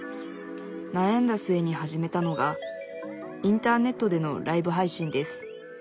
なやんだ末に始めたのがインターネットでのライブ配信です